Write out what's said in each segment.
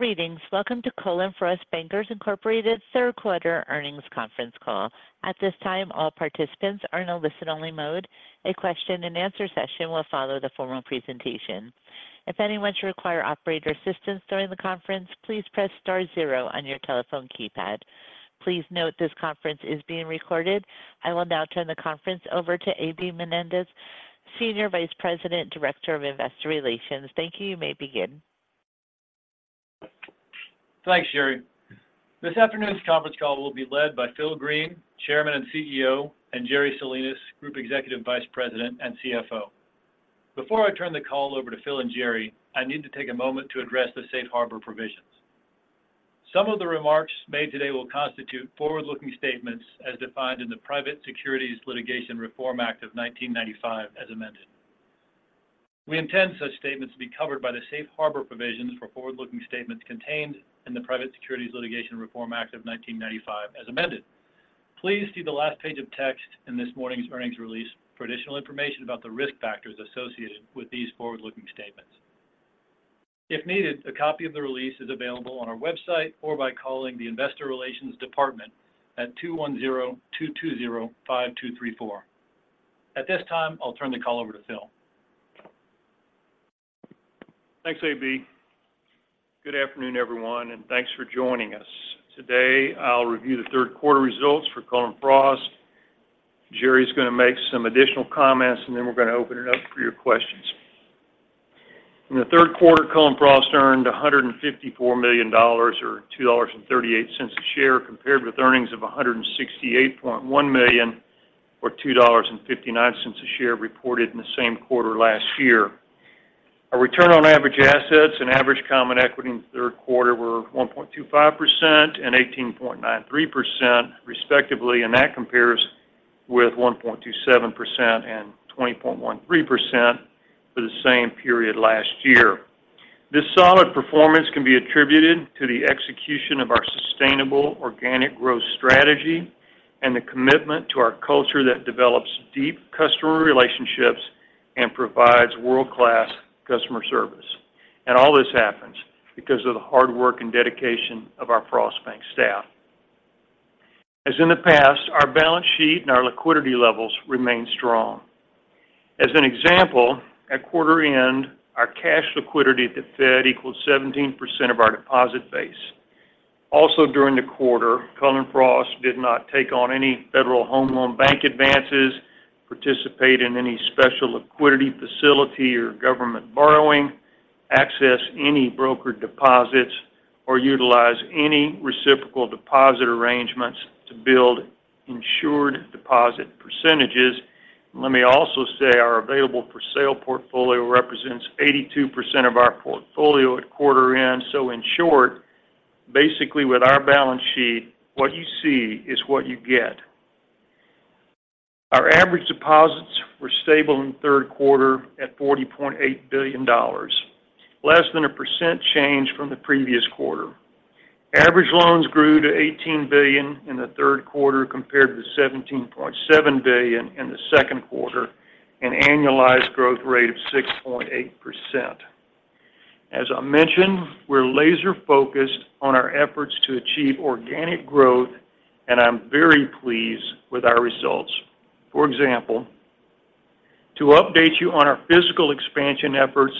Greetings. Welcome to Cullen/Frost Bankers, Inc. Third Quarter Earnings Conference Call. At this time, all participants are in a listen-only mode. A question-and-answer session will follow the formal presentation. If anyone should require operator assistance during the conference, please press star zero on your telephone keypad. Please note, this conference is being recorded. I will now turn the conference over to A.B. Mendez, Senior Vice President, Director of Investor Relations. Thank you. You may begin. Thanks, Sherry. This afternoon's conference call will be led by Phil Green, Chairman and CEO, and Jerry Salinas, Group Executive Vice President and CFO. Before I turn the call over to Phil and Jerry, I need to take a moment to address the safe harbor provisions. Some of the remarks made today will constitute forward-looking statements as defined in the Private Securities Litigation Reform Act of 1995, as amended. We intend such statements to be covered by the safe harbor provisions for forward-looking statements contained in the Private Securities Litigation Reform Act of 1995, as amended. Please see the last page of text in this morning's earnings release for additional information about the risk factors associated with these forward-looking statements. If needed, a copy of the release is available on our website or by calling the Investor Relations Department at 210-220-5234. At this time, I'll turn the call over to Phil. Thanks, A.B. Good afternoon, everyone, and thanks for joining us. Today, I'll review the third quarter results for Cullen/Frost. Jerry is going to make some additional comments, and then we're going to open it up for your questions. In the third quarter, Cullen/Frost earned $154 million or $2.38 a share, compared with earnings of $168.1 million or $2.59 a share reported in the same quarter last year. Our return on average assets and average common equity in the third quarter were 1.25% and 18.93%, respectively, and that compares with 1.27% and 20.13% for the same period last year. This solid performance can be attributed to the execution of our sustainable organic growth strategy and the commitment to our culture that develops deep customer relationships and provides world-class customer service. And all this happens because of the hard work and dedication of our Frost Bank staff. As in the past, our balance sheet and our liquidity levels remain strong. As an example, at quarter end, our cash liquidity at the Fed equals 17% of our deposit base. Also, during the quarter, Cullen/Frost did not take on any Federal Home Loan Bank advances, participate in any special liquidity facility or government borrowing, access any broker deposits, or utilize any reciprocal deposit arrangements to build insured deposit percentages. Let me also say, our available-for-sale portfolio represents 82% of our portfolio at quarter end. So in short, basically, with our balance sheet, what you see is what you get. Our average deposits were stable in the third quarter at $40.8 billion, less than 1% change from the previous quarter. Average loans grew to $18 billion in the third quarter, compared to $17.7 billion in the second quarter, an annualized growth rate of 6.8%. As I mentioned, we're laser-focused on our efforts to achieve organic growth, and I'm very pleased with our results. For example, to update you on our physical expansion efforts,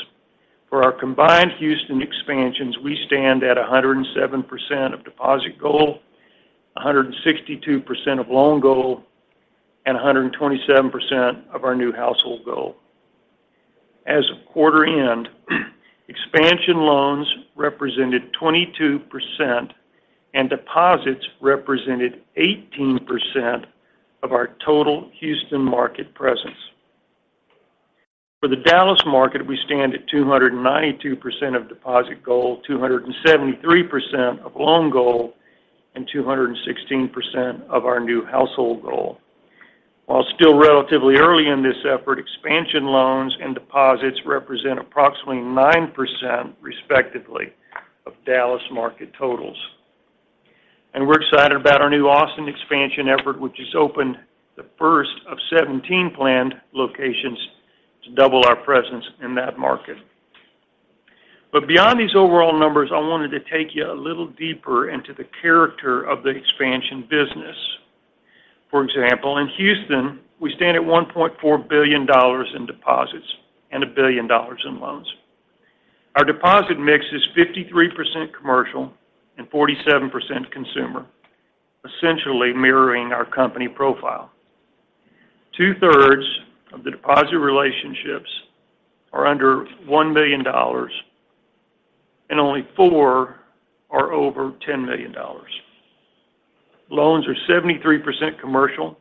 for our combined Houston expansions, we stand at 107% of deposit goal, 162% of loan goal, and 127% of our new household goal. As of quarter end, expansion loans represented 22% and deposits represented 18% of our total Houston market presence. For the Dallas market, we stand at 292% of deposit goal, 273% of loan goal, and 216% of our new household goal. While still relatively early in this effort, expansion loans and deposits represent approximately 9%, respectively, of Dallas market totals. We're excited about our new Austin expansion effort, which has opened the first of 17 planned locations to double our presence in that market. Beyond these overall numbers, I wanted to take you a little deeper into the character of the expansion business. For example, in Houston, we stand at $1.4 billion in deposits and $1 billion in loans. Our deposit mix is 53% commercial and 47% consumer, essentially mirroring our company profile. Two-thirds of the deposit relationships are under $1 million, and only four are over $10 million. Loans are 73% commercial,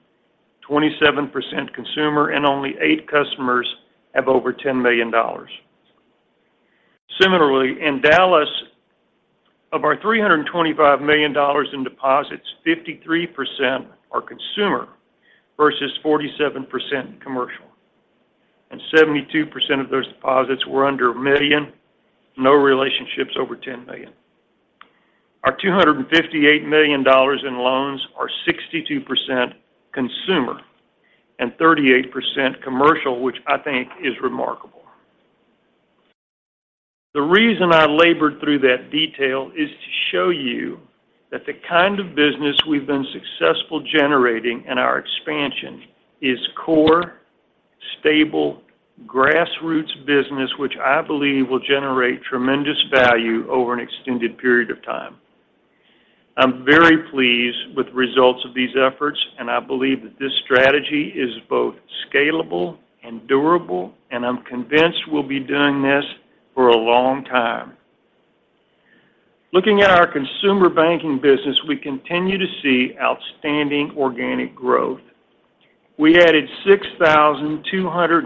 27% consumer, and only eight customers have over $10 million. Similarly, in Dallas, of our $325 million in deposits, 53% are consumer versus 47% commercial, and 72% of those deposits were under $1 million. No relationships over $10 million.... Our $258 million in loans are 62% consumer and 38% commercial, which I think is remarkable. The reason I labored through that detail is to show you that the kind of business we've been successful generating in our expansion is core, stable, grassroots business, which I believe will generate tremendous value over an extended period of time. I'm very pleased with the results of these efforts, and I believe that this strategy is both scalable and durable, and I'm convinced we'll be doing this for a long time. Looking at our consumer banking business, we continue to see outstanding organic growth. We added 6,200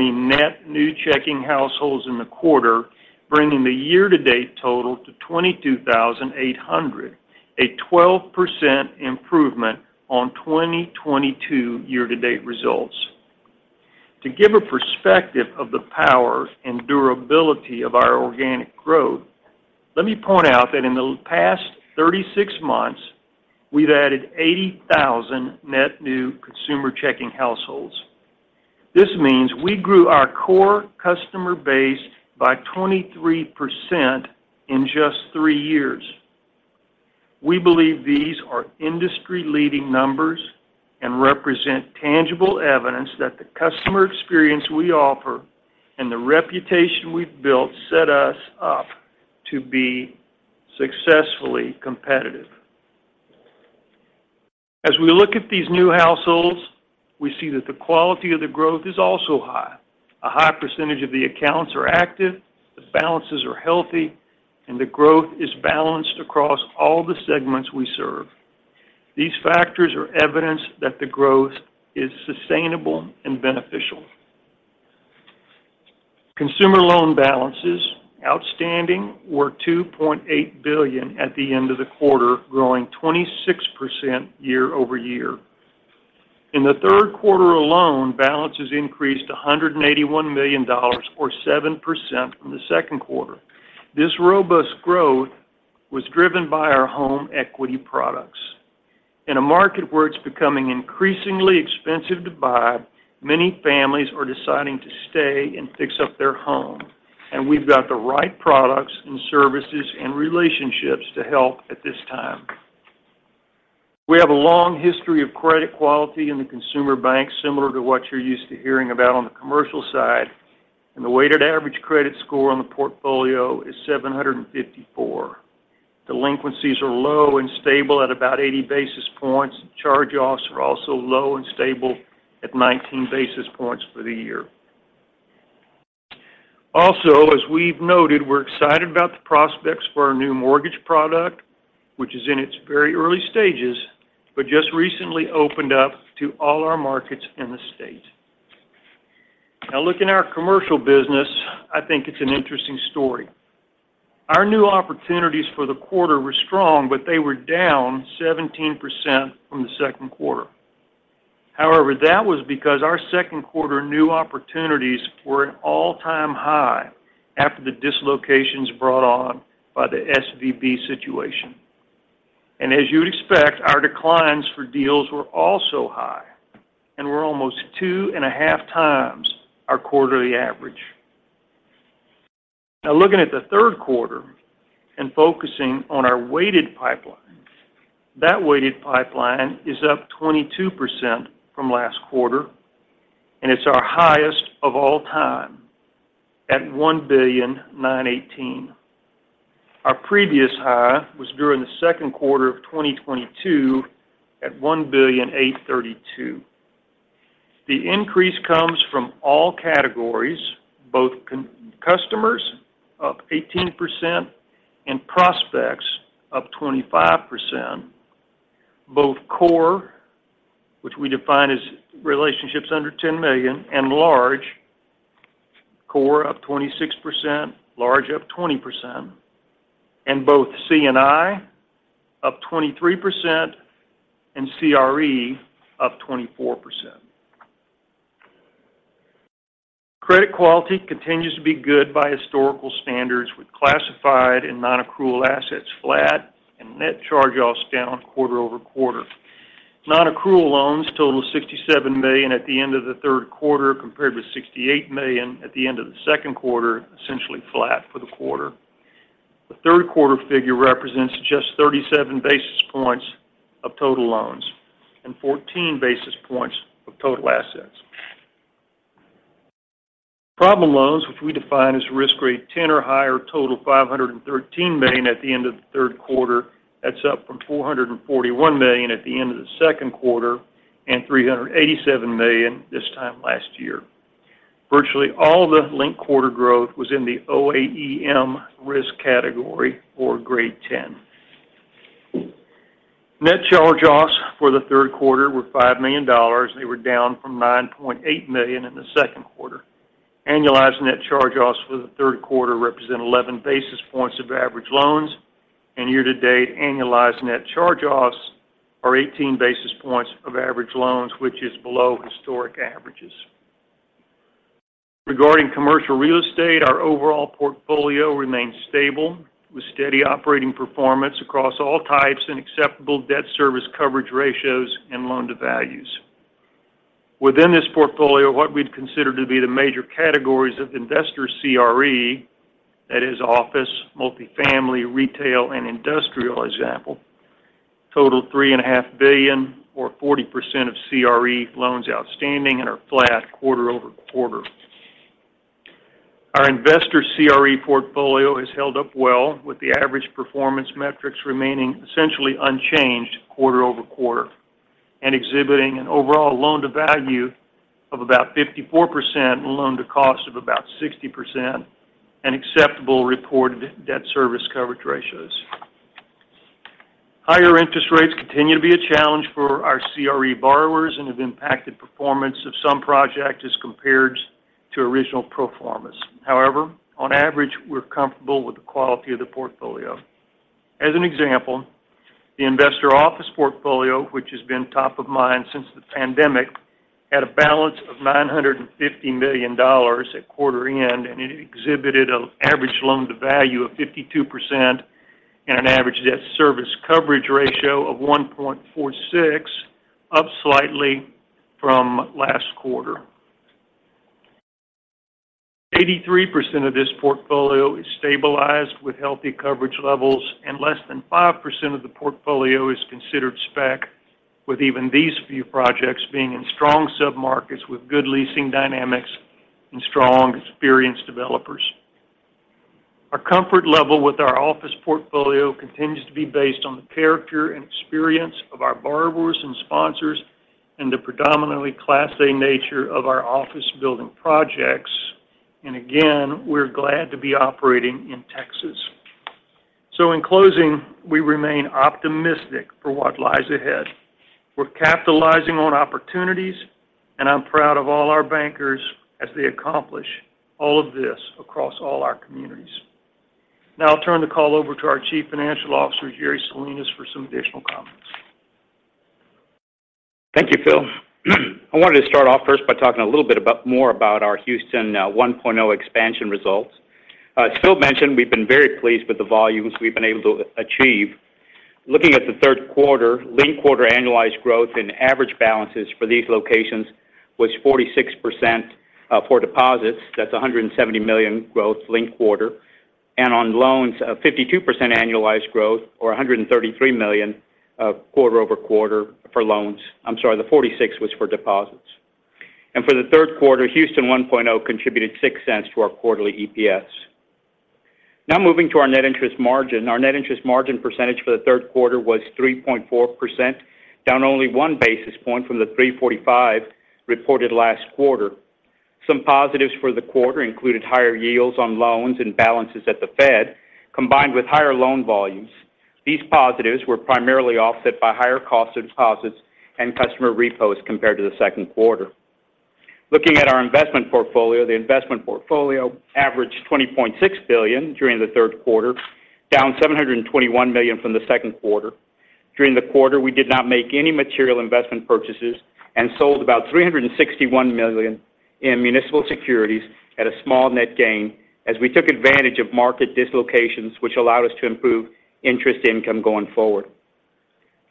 net new checking households in the quarter, bringing the year-to-date total to 22,800, a 12% improvement on 2022 year-to-date results. To give a perspective of the power and durability of our organic growth, let me point out that in the past 36 months, we've added 80,000 net new consumer checking households. This means we grew our core customer base by 23% in just three years. We believe these are industry-leading numbers and represent tangible evidence that the customer experience we offer and the reputation we've built set us up to be successfully competitive. As we look at these new households, we see that the quality of the growth is also high. A high percentage of the accounts are active, the balances are healthy, and the growth is balanced across all the segments we serve. These factors are evidence that the growth is sustainable and beneficial. Consumer loan balances outstanding were $2.8 billion at the end of the quarter, growing 26% year-over-year. In the third quarter alone, balances increased to $181 million or 7% from the second quarter. This robust growth was driven by our home equity products. In a market where it's becoming increasingly expensive to buy, many families are deciding to stay and fix up their home, and we've got the right products and services and relationships to help at this time. We have a long history of credit quality in the consumer bank, similar to what you're used to hearing about on the commercial side, and the weighted average credit score on the portfolio is 754. Delinquencies are low and stable at about 80 basis points. Charge-offs are also low and stable at 19 basis points for the year. Also, as we've noted, we're excited about the prospects for our new mortgage product, which is in its very early stages, but just recently opened up to all our markets in the state. Now, looking at our commercial business, I think it's an interesting story. Our new opportunities for the quarter were strong, but they were down 17% from the second quarter. However, that was because our second quarter new opportunities were at an all-time high after the dislocations brought on by the SVB situation. And as you'd expect, our declines for deals were also high and were almost 2.5 times our quarterly average. Now, looking at the third quarter and focusing on our weighted pipeline, that weighted pipeline is up 22% from last quarter, and it's our highest of all time at $1.918 billion. Our previous high was during the second quarter of 2022 at $1.832 billion. The increase comes from all categories, both customers, up 18%, and prospects, up 25%, both core, which we define as relationships under $10 million, and large, core up 26%, large up 20%, and both C&I up 23% and CRE up 24%. Credit quality continues to be good by historical standards, with classified and nonaccrual assets flat and net charge-offs down quarter-over-quarter. Nonaccrual loans total $67 million at the end of the third quarter, compared with $68 million at the end of the second quarter, essentially flat for the quarter. The third quarter figure represents just 37 basis points of total loans and 14 basis points of total assets. Problem loans, which we define as Risk Grade 10 or higher, total $513 million at the end of the third quarter. That's up from $441 million at the end of the second quarter and $387 million this time last year. Virtually all the linked quarter growth was in the OAEM risk category or Grade 10. Net charge-offs for the third quarter were $5 million. They were down from $9.8 million in the second quarter. Annualized net charge-offs for the third quarter represent 11 basis points of average loans, and year-to-date annualized net charge-offs are 18 basis points of average loans, which is below historic averages. Regarding commercial real estate, our overall portfolio remains stable, with steady operating performance across all types and acceptable debt service coverage ratios and loan-to-values. Within this portfolio, what we'd consider to be the major categories of investor CRE, that is office, multifamily, retail, and industrial example, total $3.5 billion or 40% of CRE loans outstanding and are flat quarter-over-quarter. Our investor CRE portfolio has held up well, with the average performance metrics remaining essentially unchanged quarter-over-quarter, and exhibiting an overall loan-to-value of about 54% and loan-to-cost of about 60%, and acceptable reported debt service coverage ratios. Higher interest rates continue to be a challenge for our CRE borrowers and have impacted performance of some projects as compared to original pro formas. However, on average, we're comfortable with the quality of the portfolio. As an example, the investor office portfolio, which has been top of mind since the pandemic, had a balance of $950 million at quarter end, and it exhibited an average loan-to-value of 52% and an average debt service coverage ratio of 1.46, up slightly from last quarter. 83% of this portfolio is stabilized with healthy coverage levels, and less than 5% of the portfolio is considered spec, with even these few projects being in strong submarkets with good leasing dynamics and strong, experienced developers. Our comfort level with our office portfolio continues to be based on the character and experience of our borrowers and sponsors and the predominantly Class A nature of our office building projects. And again, we're glad to be operating in Texas. So in closing, we remain optimistic for what lies ahead. We're capitalizing on opportunities, and I'm proud of all our bankers as they accomplish all of this across all our communities. Now I'll turn the call over to our Chief Financial Officer, Jerry Salinas, for some additional comments. Thank you, Phil. I wanted to start off first by talking a little bit about more about our Houston 1.0 expansion results. As Phil mentioned, we've been very pleased with the volumes we've been able to achieve. Looking at the third quarter, linked-quarter annualized growth and average balances for these locations was 46%, for deposits. That's $170 million growth linked-quarter. And on loans, fifty-two percent annualized growth, or $133 million, quarter over quarter for loans. I'm sorry, the 46 was for deposits. And for the third quarter, Houston 1.0 contributed $0.06 to our quarterly EPS. Now moving to our net interest margin. Our net interest margin percentage for the third quarter was 3.4%, down only 1 basis point from the 3.45% reported last quarter. Some positives for the quarter included higher yields on loans and balances at the Fed, combined with higher loan volumes. These positives were primarily offset by higher cost of deposits and customer repos compared to the second quarter. Looking at our investment portfolio, the investment portfolio averaged $20.6 billion during the third quarter, down $721 million from the second quarter. During the quarter, we did not make any material investment purchases and sold about $361 million in municipal securities at a small net gain, as we took advantage of market dislocations, which allowed us to improve interest income going forward.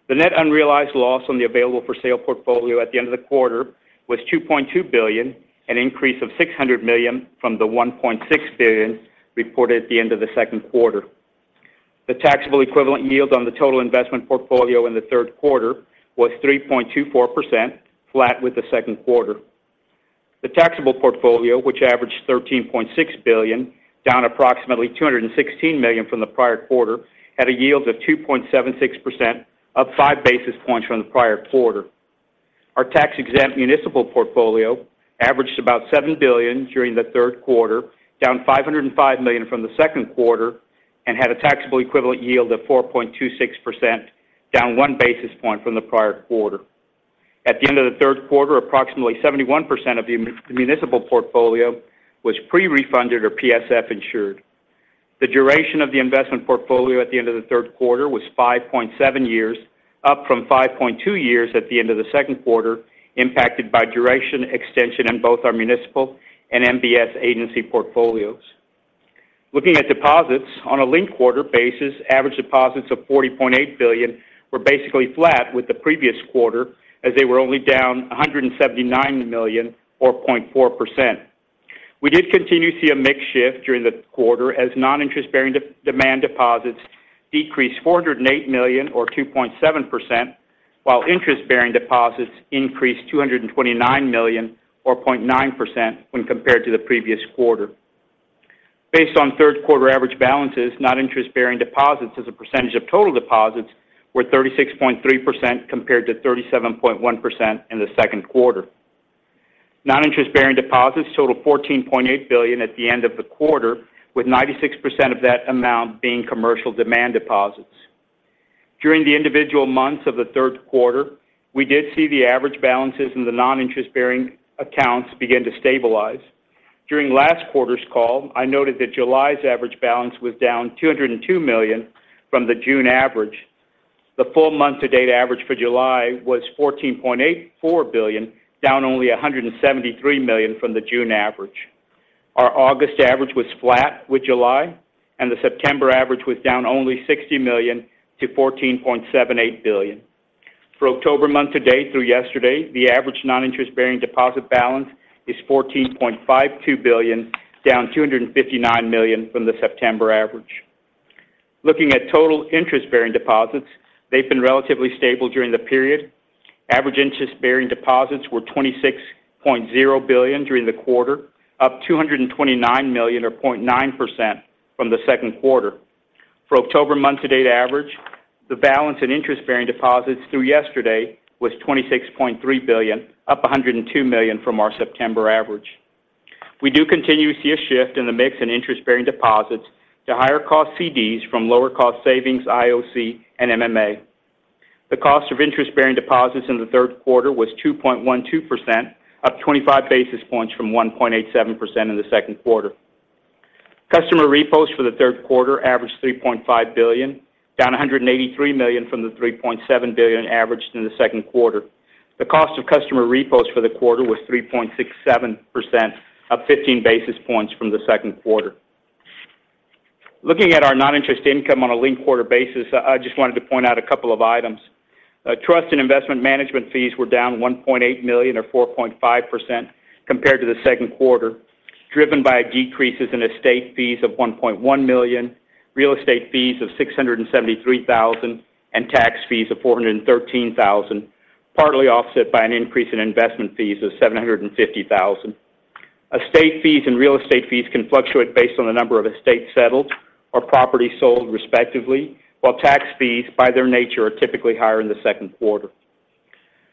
The net unrealized loss on the available-for-sale portfolio at the end of the quarter was $2.2 billion, an increase of $600 million from the $1.6 billion reported at the end of the second quarter. The taxable equivalent yield on the total investment portfolio in the third quarter was 3.24%, flat with the second quarter. The taxable portfolio, which averaged $13.6 billion, down approximately $216 million from the prior quarter, had a yield of 2.76%, up 5 basis points from the prior quarter. Our tax-exempt municipal portfolio averaged about $7 billion during the third quarter, down $505 million from the second quarter, and had a taxable equivalent yield of 4.26%, down 1 basis point from the prior quarter. At the end of the third quarter, approximately 71% of the municipal portfolio was pre-refunded or PSF insured. The duration of the investment portfolio at the end of the third quarter was 5.7 years, up from 5.2 years at the end of the second quarter, impacted by duration extension in both our municipal and MBS agency portfolios. Looking at deposits, on a linked-quarter basis, average deposits of $40.8 billion were basically flat with the previous quarter, as they were only down $179 million or 0.4%. We did continue to see a mix shift during the quarter, as non-interest-bearing demand deposits decreased $408 million or 2.7%, while interest-bearing deposits increased $229 million or 0.9% when compared to the previous quarter. Based on third quarter average balances, non-interest-bearing deposits as a percentage of total deposits were 36.3%, compared to 37.1% in the second quarter. Non-interest-bearing deposits totaled $14.8 billion at the end of the quarter, with 96% of that amount being commercial demand deposits. During the individual months of the third quarter, we did see the average balances in the non-interest-bearing accounts begin to stabilize. During last quarter's call, I noted that July's average balance was down $202 million from the June average.... The full month-to-date average for July was $14.84 billion, down only $173 million from the June average. Our August average was flat with July, and the September average was down only $60 million to $14.78 billion. For October month to date through yesterday, the average non-interest-bearing deposit balance is $14.52 billion, down $259 million from the September average. Looking at total interest-bearing deposits, they've been relatively stable during the period. Average interest-bearing deposits were $26.0 billion during the quarter, up $229 million, or 0.9% from the second quarter. For October month to date average, the balance in interest-bearing deposits through yesterday was $26.3 billion, up $102 million from our September average. We do continue to see a shift in the mix in interest-bearing deposits to higher cost CDs from lower cost savings, IOC, and MMA. The cost of interest-bearing deposits in the third quarter was 2.12%, up 25 basis points from 1.87% in the second quarter. Customer repos for the third quarter averaged $3.5 billion, down $183 million from the $3.7 billion averaged in the second quarter. The cost of customer repos for the quarter was 3.67%, up 15 basis points from the second quarter. Looking at our non-interest income on a linked quarter basis, I just wanted to point out a couple of items. Trust and investment management fees were down $1.8 million or 4.5% compared to the second quarter, driven by decreases in estate fees of $1.1 million, real estate fees of $673,000, and tax fees of $413,000, partly offset by an increase in investment fees of $750,000. Estate fees and real estate fees can fluctuate based on the number of estates settled or property sold respectively, while tax fees, by their nature, are typically higher in the second quarter.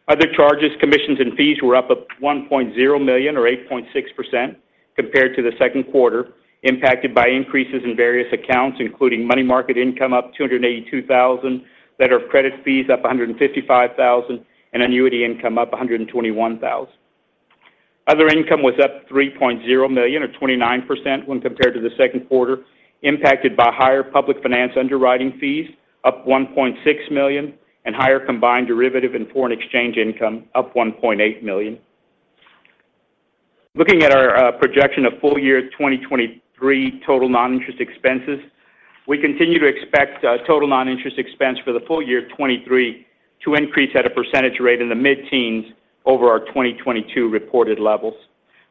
Other charges, commissions, and fees were up $1.0 million or 8.6% compared to the second quarter, impacted by increases in various accounts, including money market income, up $282,000; letter of credit fees, up $155,000; and annuity income, up $121,000. Other income was up $3.0 million, or 29% when compared to the second quarter, impacted by higher public finance underwriting fees, up $1.6 million, and higher combined derivative and foreign exchange income, up $1.8 million. Looking at our projection of full year 2023 total non-interest expenses, we continue to expect total non-interest expense for the full year 2023 to increase at a percentage rate in the mid-teens over our 2022 reported levels.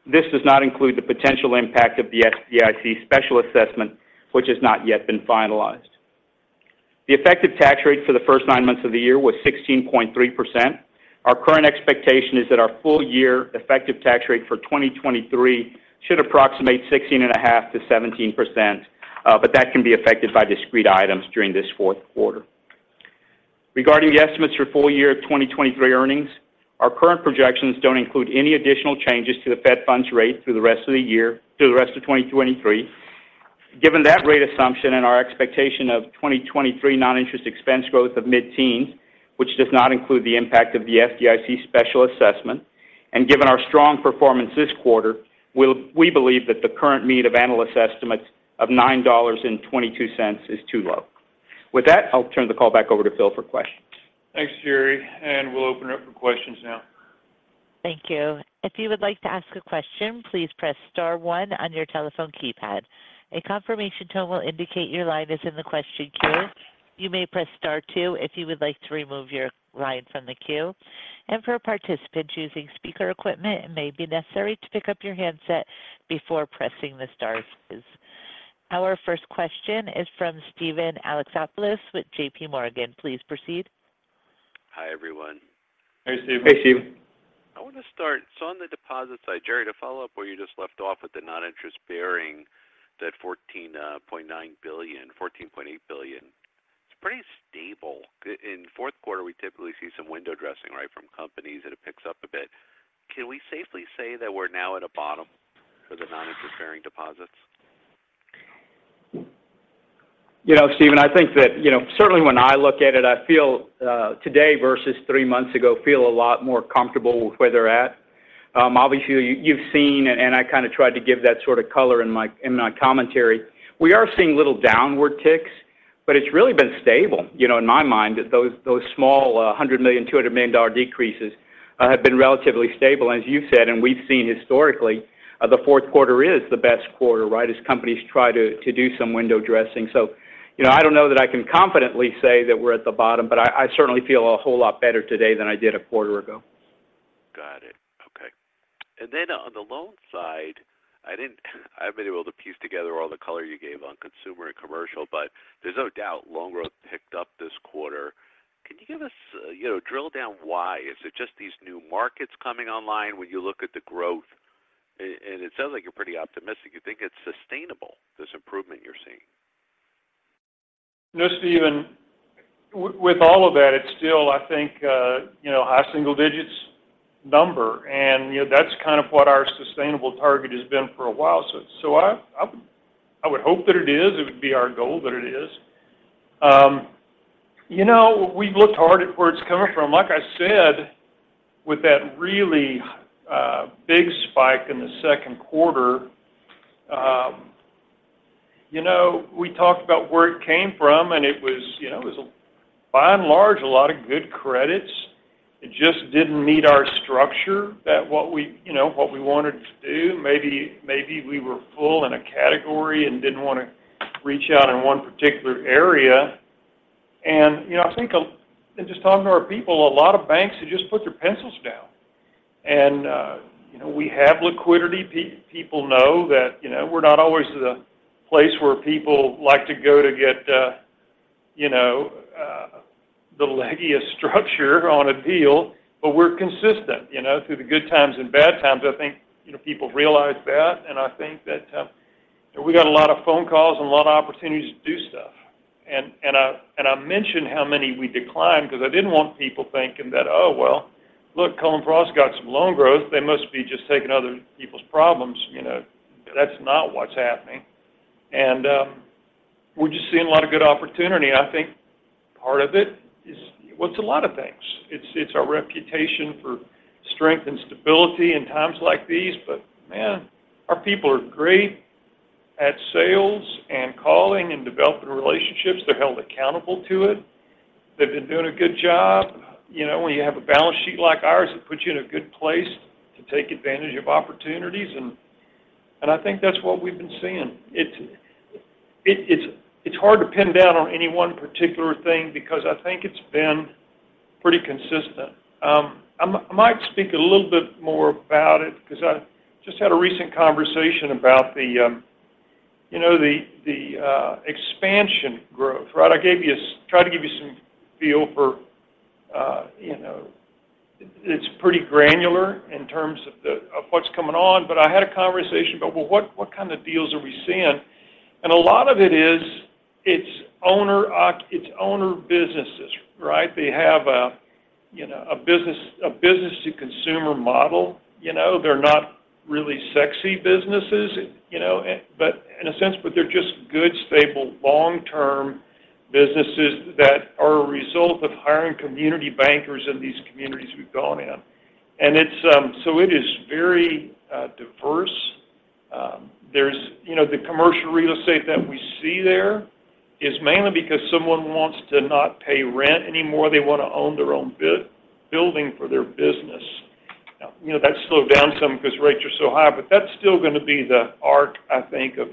This does not include the potential impact of the FDIC special assessment, which has not yet been finalized. The effective tax rate for the first nine months of the year was 16.3%. Our current expectation is that our full year effective tax rate for 2023 should approximate 16.5%-17%, but that can be affected by discrete items during this fourth quarter. Regarding the estimates for full year 2023 earnings, our current projections don't include any additional changes to the Fed funds rate through the rest of the year. Given that rate assumption and our expectation of 2023 non-interest expense growth of mid-teens, which does not include the impact of the FDIC's special assessment, and given our strong performance this quarter, we believe that the current mean of analyst estimates of $9.22 is too low. With that, I'll turn the call back over to Phil for questions. Thanks, Jerry, and we'll open it up for questions now. Thank you. If you would like to ask a question, please press star one on your telephone keypad. A confirmation tone will indicate your line is in the question queue. You may press star two if you would like to remove your line from the queue. And for a participant choosing speaker equipment, it may be necessary to pick up your handset before pressing the stars. Our first question is from Steven Alexopoulos with J.P. Morgan. Please proceed. Hi, everyone. Hey, Steven. Hey, Steve. I want to start. So on the deposit side, Jerry, to follow up where you just left off with the non-interest bearing, that $14.9 billion, $14.8 billion, it's pretty stable. In fourth quarter, we typically see some window dressing, right, from companies, and it picks up a bit. Can we safely say that we're now at a bottom for the non-interest bearing deposits? You know, Steven, I think that, you know, certainly when I look at it, I feel today versus three months ago a lot more comfortable with where they're at. Obviously, you've seen, and I kind of tried to give that sort of color in my commentary. We are seeing little downward ticks, but it's really been stable. You know, in my mind, that those small $100 million, $200 million dollar decreases have been relatively stable. And as you've said, and we've seen historically, the fourth quarter is the best quarter, right? As companies try to do some window dressing. So, you know, I don't know that I can confidently say that we're at the bottom, but I certainly feel a whole lot better today than I did a quarter ago. Got it. Okay. And then on the loan side, I didn't—I've been able to piece together all the color you gave on consumer and commercial, but there's no doubt loan growth picked up this quarter. Can you give us... You know, drill down why? Is it just these new markets coming online when you look at the growth? And it sounds like you're pretty optimistic. You think it's sustainable, this improvement you're seeing? No, Steven, with all of that, it's still, I think, you know, high single digits number, and, you know, that's kind of what our sustainable target has been for a while. So, I would hope that it is. It would be our goal that it is. You know, we've looked hard at where it's coming from. Like I said, with that really, big spike in the second quarter. You know, we talked about where it came from, and it was, you know, it was, by and large, a lot of good credits. It just didn't meet our structure, that what we, you know, what we wanted to do. Maybe we were full in a category and didn't want to reach out in one particular area. And, you know, I think, in just talking to our people, a lot of banks have just put their pencils down. And, you know, we have liquidity. People know that, you know, we're not always the place where people like to go to get, you know, the leggiest structure on a deal, but we're consistent, you know, through the good times and bad times. I think, you know, people realize that, and I think that. We got a lot of phone calls and a lot of opportunities to do stuff. And I mentioned how many we declined because I didn't want people thinking that, "Oh, well, look, Cullen/Frost got some loan growth. They must be just taking other people's problems." You know, that's not what's happening. And we're just seeing a lot of good opportunity. I think part of it is, well, it's a lot of things. It's our reputation for strength and stability in times like these. But, man, our people are great at sales and calling and developing relationships. They're held accountable to it. They've been doing a good job. You know, when you have a balance sheet like ours, it puts you in a good place to take advantage of opportunities, and I think that's what we've been seeing. It's hard to pin down on any one particular thing because I think it's been pretty consistent. I might speak a little bit more about it because I just had a recent conversation about the, you know, expansion growth, right? I tried to give you some feel for, you know... It's pretty granular in terms of what's coming on, but I had a conversation about, well, what kind of deals are we seeing? A lot of it is, it's owner businesses, right? They have a, you know, a business, a business-to-consumer model, you know. They're not really sexy businesses, you know, but in a sense, but they're just good, stable, long-term businesses that are a result of hiring community bankers in these communities we've gone in. It's, so it is very, diverse. There's, you know, the commercial real estate that we see there is mainly because someone wants to not pay rent anymore. They want to own their own building for their business. Now, you know, that's slowed down some because rates are so high, but that's still going to be the arc, I think, of,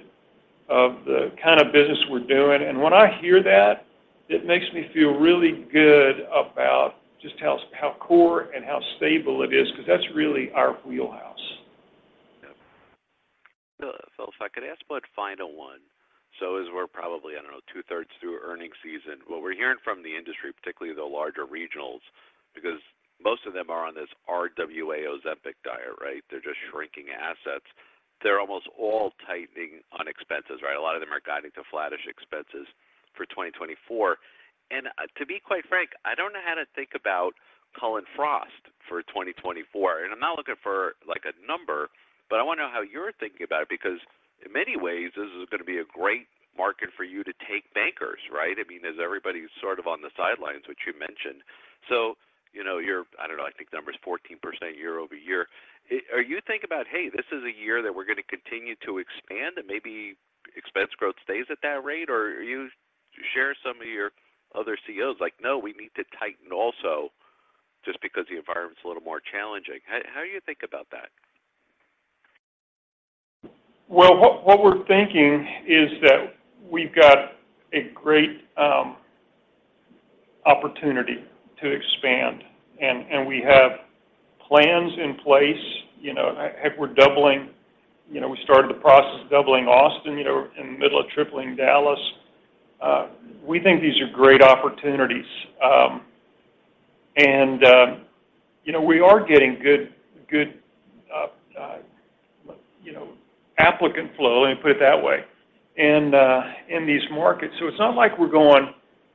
of the kind of business we're doing. And when I hear that, it makes me feel really good about just how, how core and how stable it is, because that's really our wheelhouse. Yeah. Phil, if I could ask about final one. So as we're probably, I don't know, two-thirds through earnings season, what we're hearing from the industry, particularly the larger regionals, because most of them are on this RWA Ozempic diet, right? They're just shrinking assets. They're almost all tightening on expenses, right? A lot of them are guiding to flattish expenses for 2024. And, to be quite frank, I don't know how to think about Cullen/Frost for 2024. And I'm not looking for, like, a number, but I want to know how you're thinking about it, because in many ways, this is going to be a great market for you to take bankers, right? I mean, as everybody's sort of on the sidelines, which you mentioned. So, you know, your, I don't know, I think the number is 14% year-over-year. Are you thinking about, hey, this is a year that we're going to continue to expand, and maybe expense growth stays at that rate? Or are you—do you share some of your other CEOs, like, "No, we need to tighten also, just because the environment is a little more challenging." How do you think about that? Well, what we're thinking is that we've got a great opportunity to expand, and we have plans in place. You know, heck, we're doubling. You know, we started the process of doubling Austin, you know, in the middle of tripling Dallas. We think these are great opportunities. And you know, we are getting good applicant flow, let me put it that way, in these markets. So it's not like we're going: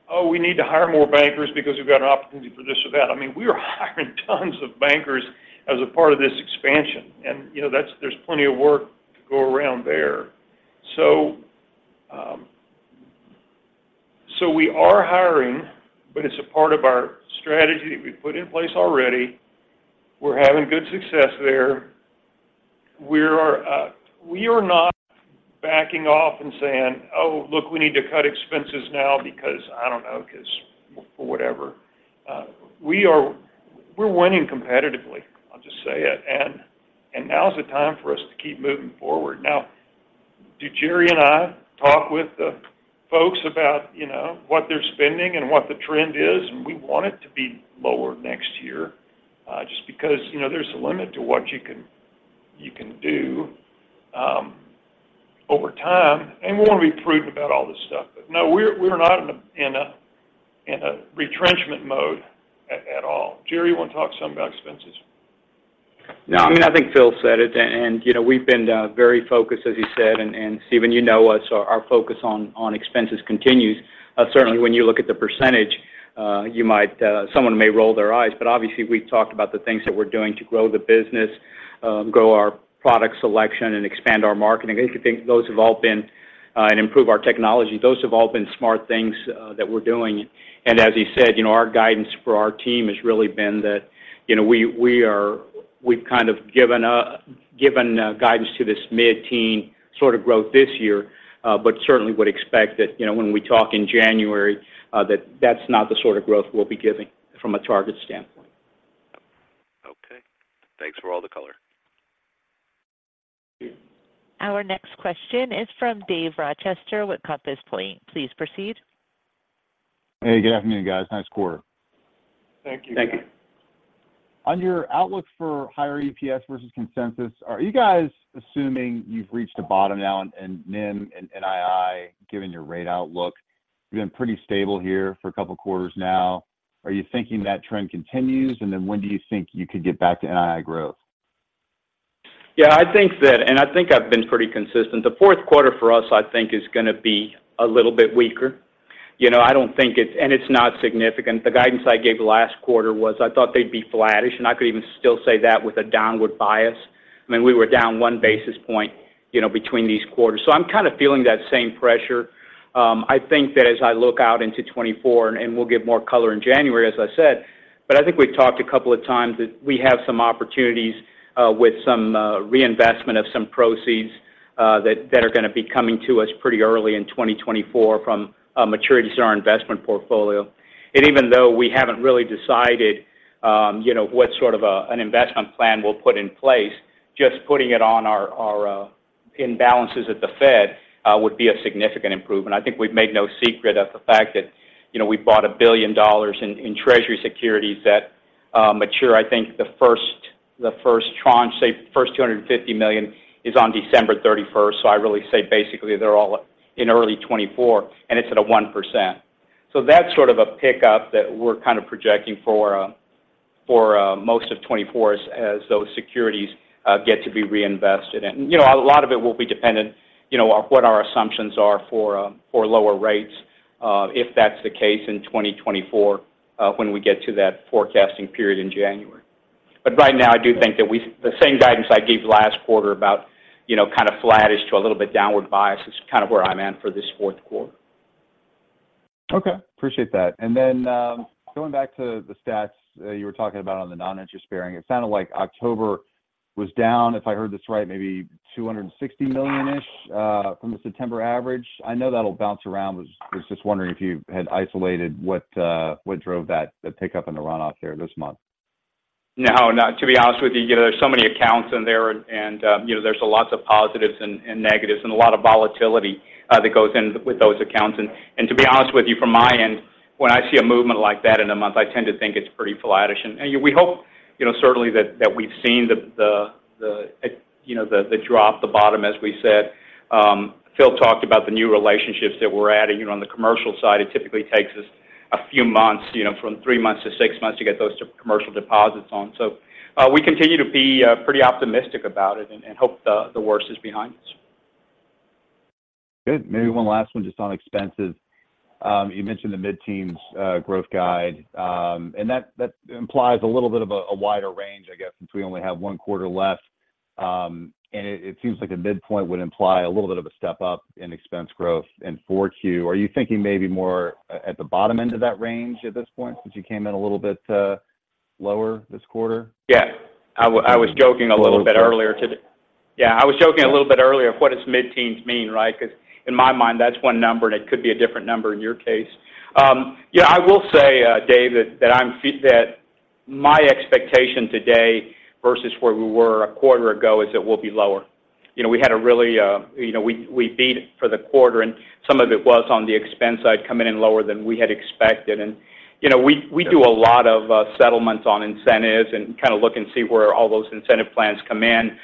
Oh, we need to hire more bankers because we've got an opportunity for this or that. I mean, we are hiring tons of bankers as a part of this expansion, and you know, that's. There's plenty of work to go around there. So we are hiring, but it's a part of our strategy that we put in place already. We're having good success there. We are not backing off and saying, "Oh, look, we need to cut expenses now," because I don't know, because for whatever. We are winning competitively, I'll just say it, and now is the time for us to keep moving forward. Now, do Jerry and I talk with the folks about, you know, what they're spending and what the trend is? And we want it to be lower next year, just because, you know, there's a limit to what you can do over time, and we want to be prudent about all this stuff. But no, we're not in a retrenchment mode at all. Jerry, you want to talk some about expenses? No, I mean, I think Phil said it, and, you know, we've been very focused, as he said. And Steven, you know us, our focus on expenses continues. Certainly, when you look at the percentage, you might, someone may roll their eyes, but obviously, we've talked about the things that we're doing to grow the business, grow our product selection, and expand our marketing. I think those have all been, and improve our technology. Those have all been smart things that we're doing. And as he said, you know, our guidance for our team has really been that, you know, we, we are... We've kind of given a guidance to this mid-teen sort of growth this year, but certainly would expect that, you know, when we talk in January, that that's not the sort of growth we'll be giving from a target standpoint. Okay. Thanks for all the color. Our next question is from Dave Rochester with Compass Point. Please proceed. Hey, good afternoon, guys. Nice quarter. Thank you. Thank you. On your outlook for higher EPS versus consensus, are you guys assuming you've reached a bottom now in NIM and NII, given your rate outlook? You've been pretty stable here for a couple quarters now. Are you thinking that trend continues? And then when do you think you could get back to NII growth? Yeah, I think that and I think I've been pretty consistent. The fourth quarter for us, I think, is gonna be a little bit weaker. You know, I don't think it's and it's not significant. The guidance I gave last quarter was I thought they'd be flattish, and I could even still say that with a downward bias. I mean, we were down 1 basis point, you know, between these quarters. So I'm kind of feeling that same pressure. I think that as I look out into 2024, and we'll give more color in January, as I said, but I think we've talked a couple of times that we have some opportunities with some reinvestment of some proceeds that are gonna be coming to us pretty early in 2024 from maturities in our investment portfolio. And even though we haven't really decided, you know, what sort of an investment plan we'll put in place, just putting it on our in balances at the Fed would be a significant improvement. I think we've made no secret of the fact that, you know, we bought $1 billion in Treasury securities that mature. I think the first tranche, say, first $250 million, is on December 31st. So I really say basically they're all in early 2024, and it's at a 1%. So that's sort of a pickup that we're kind of projecting for, for most of 2024 as those securities get to be reinvested. You know, a lot of it will be dependent, you know, on what our assumptions are for, you know, for lower rates if that's the case in 2024, when we get to that forecasting period in January. Right now, I do think that we-- the same guidance I gave last quarter about, you know, kind of flattish to a little bit downward bias is kind of where I'm at for this fourth quarter. Okay, appreciate that. And then, going back to the stats that you were talking about on the non-interest bearing, it sounded like October was down, if I heard this right, maybe $260 million-ish from the September average. I know that'll bounce around. Was just wondering if you had isolated what drove that, the pickup in the runoff there this month? No, not to be honest with you, you know, there's so many accounts in there, and you know, there's lots of positives and negatives and a lot of volatility that goes in with those accounts. And to be honest with you, from my end, when I see a movement like that in a month, I tend to think it's pretty flattish. And we hope, you know, certainly that we've seen the drop, the bottom, as we said. Phil talked about the new relationships that we're adding. You know, on the commercial side, it typically takes us a few months, you know, from 3 months to 6 months to get those commercial deposits on. So, we continue to be pretty optimistic about it and hope the worst is behind us. Good. Maybe one last one just on expenses. You mentioned the mid-teens growth guide, and that implies a little bit of a wider range, I guess, since we only have 1 quarter left. And it seems like a midpoint would imply a little bit of a step up in expense growth in 4Q. Are you thinking maybe more at the bottom end of that range at this point, since you came in a little bit lower this quarter? Yeah. I was joking a little bit earlier today. Yeah, I was joking a little bit earlier, what does mid-teens mean, right? Because in my mind, that's one number, and it could be a different number in your case. Yeah, I will say, Dave, that I'm feeling that my expectation today versus where we were a quarter ago is it will be lower. You know, we had a really, you know, we beat for the quarter, and some of it was on the expense side, coming in lower than we had expected. You know, we do a lot of settlements on incentives and kind of look and see where all those incentive plans come in.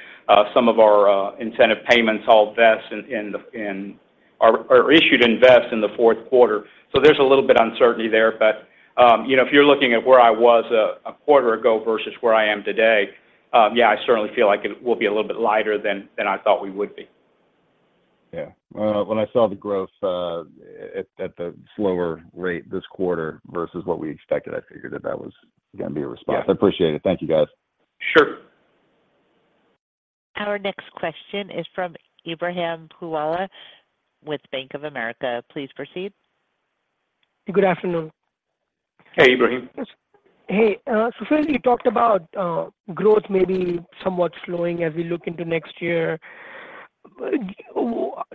Some of our incentive payments all vest in, in the, are, are issued to invest in the fourth quarter. So there's a little bit of uncertainty there. But, you know, if you're looking at where I was a quarter ago versus where I am today, yeah, I certainly feel like it will be a little bit lighter than I thought we would be. Yeah. When I saw the growth at the slower rate this quarter versus what we expected, I figured that that was gonna be a response. Yeah. I appreciate it. Thank you, guys. Sure. Our next question is from Ebrahim Poonawala with Bank of America. Please proceed. Good afternoon. Hey, Ebrahim. Hey, so first you talked about, growth maybe somewhat slowing as we look into next year.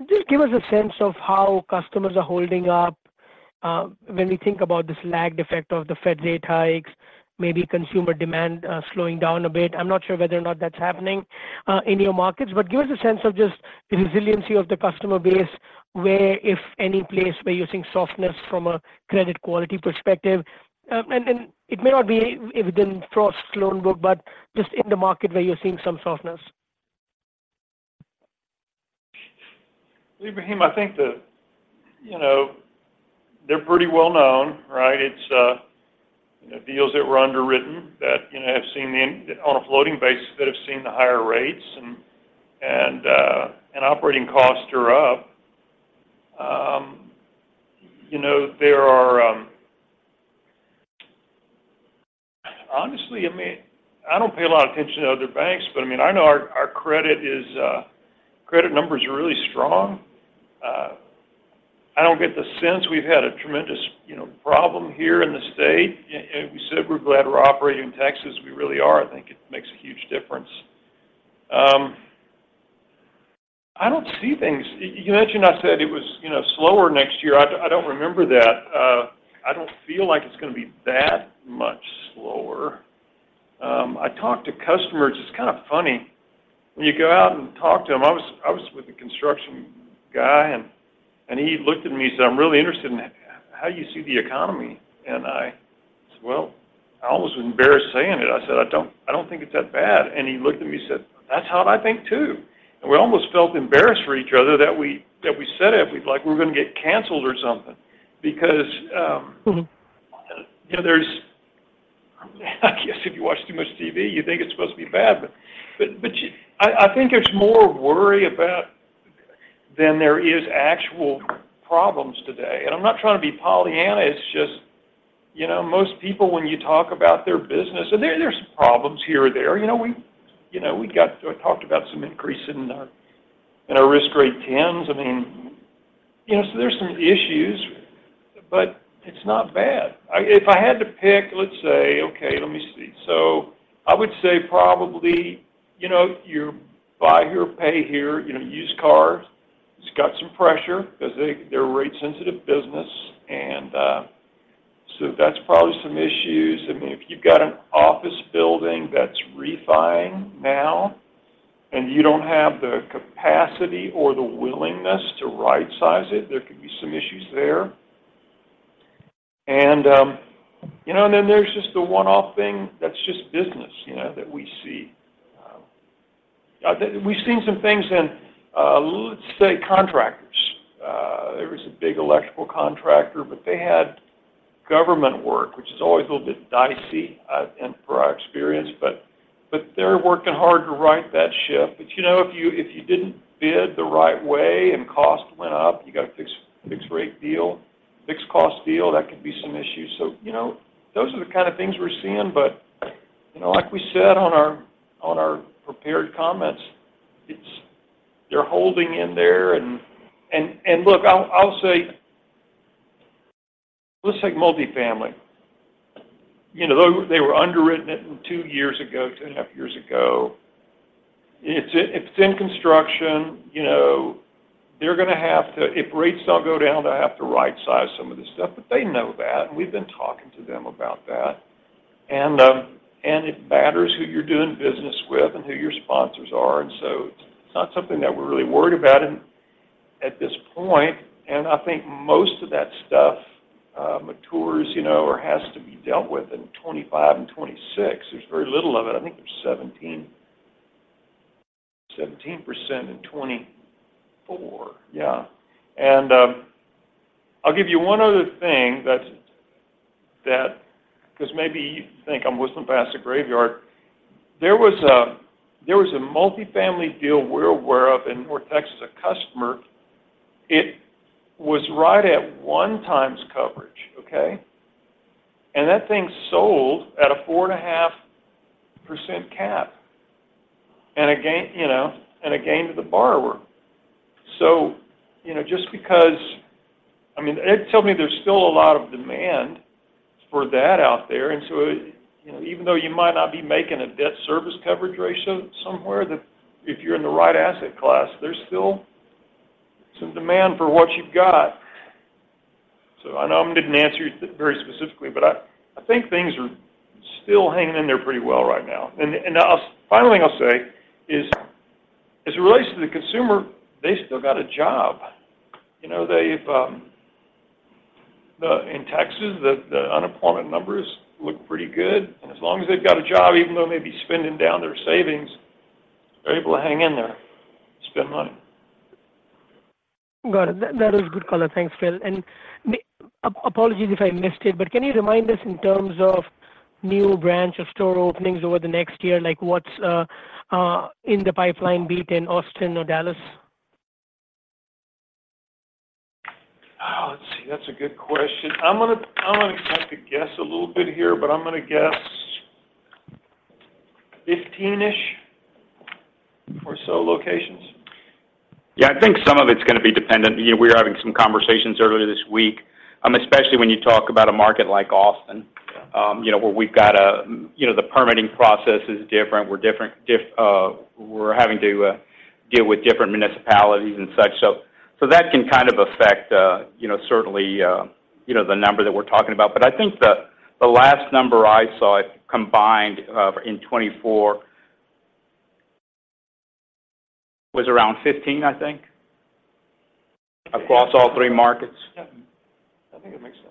Just give us a sense of how customers are holding up, when we think about this lagged effect of the Fed rate hikes, maybe consumer demand, slowing down a bit. I'm not sure whether or not that's happening, in your markets, but give us a sense of just the resiliency of the customer base, where, if any place, where you're seeing softness from a credit quality perspective. And, and it may not be evident across loan book, but just in the market where you're seeing some softness. Ebrahim, I think they're pretty well known, right? It's deals that were underwritten that have seen the, you know, on a floating basis, that have seen the higher rates and operating costs are up. You know, there are... Honestly, I mean, I don't pay a lot of attention to other banks, but I mean, I know our credit is, credit numbers are really strong. I don't get the sense we've had a tremendous, you know, problem here in the state. We said we're glad we're operating in Texas. We really are. I think it makes a huge difference. I don't see things-- You, you mentioned, I said it was, you know, slower next year. I don't remember that. I don't feel like it's gonna be that much slower. I talked to customers. It's kind of funny, when you go out and talk to them... I was, I was with a construction guy, and he looked at me, he said, "I'm really interested in h-how you see the economy." I said, "Well," I almost was embarrassed saying it. I said, "I don't, I don't think it's that bad." And he looked at me and said, "That's how I think, too." And we almost felt embarrassed for each other that we, that we said it. We were like, "We're gonna get canceled or something." Because, Mm-hmm... you know, there's, I guess if you watch too much TV, you think it's supposed to be bad. But, but, but you, I, I think there's more worry about than there is actual problems today. And I'm not trying to be Pollyanna, it's just, you know, most people, when you talk about their business, and there, there's some problems here or there. You know, we, you know, we got... I talked about some increase in our, in our Risk Grade 10s. I mean, you know, so there's some issues, but it's not bad. I, If I had to pick, let's say... Okay, let me see. So I would say probably, you know, you buy here, pay here, you know, used cars. It's got some pressure because they, they're a rate-sensitive business, and, so that's probably some issues. I mean, if you've got an office building that's refi-ing now, and you don't have the capacity or the willingness to rightsize it, there could be some issues there. And, you know, and then there's just the one-off thing that's just business, you know, that we see. We've seen some things in, let's say, contractors. There was a big electrical contractor, but they had government work, which is always a little bit dicey, in per our experience. But they're working hard to right that ship. But, you know, if you, if you didn't bid the right way and cost went up, you got a fixed, fixed-rate deal, fixed-cost deal, that could be some issues. So, you know, those are the kind of things we're seeing. But, you know, like we said on our, on our prepared comments, it's—they're holding in there. I'll say... Let's take multifamily. You know, though they were underwritten at two years ago, two and a half years ago, it's in construction, you know, they're gonna have to—if rates don't go down, they'll have to rightsize some of this stuff, but they know that, and we've been talking to them about that. It matters who you're doing business with and who your sponsors are, and so it's not something that we're really worried about at this point. I think most of that stuff matures, you know, or has to be dealt with in 2025 and 2026. There's very little of it. I think there's 17%, 17% in 2024. Yeah. I'll give you one other thing that's—that, because maybe you think I'm whistling past the graveyard. There was a, there was a multifamily deal we're aware of, and where Texas, a customer, it was right at 1 times coverage, okay? And that thing sold at a 4.5% cap, and a gain, you know, and a gain to the borrower. You know, just because... I mean, it tells me there's still a lot of demand for that out there, and so, you know, even though you might not be making a debt service coverage ratio somewhere, that if you're in the right asset class, there's still some demand for what you've got. I know I didn't answer you very specifically, but I, I think things are still hanging in there pretty well right now. The final thing I'll say is, as it relates to the consumer, they still got a job. You know, they've in Texas, the unemployment numbers look pretty good, and as long as they've got a job, even though they may be spending down their savings, they're able to hang in there, spend money. Got it. That is a good color. Thanks, Phil. My apologies if I missed it, but can you remind us in terms of new branch or store openings over the next year, like, what's in the pipeline, be it in Austin or Dallas? Oh, let's see. That's a good question. I'm gonna, I'm gonna have to guess a little bit here, but I'm gonna guess 15-ish or so locations. Yeah, I think some of it's gonna be dependent. You know, we were having some conversations earlier this week, especially when you talk about a market like Austin, you know, where we've got a—you know, the permitting process is different. We're different, we're having to deal with different municipalities and such. So, so that can kind of affect, you know, certainly, you know, the number that we're talking about. But I think the, the last number I saw it combined, in 2024 was around 15, I think, across all three markets. Yeah. I think it makes sense.